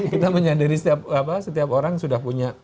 kita menyadari setiap orang sudah punya